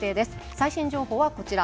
最新情報はこちら。